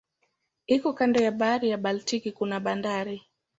Iko kando ya bahari ya Baltiki kuna bandari.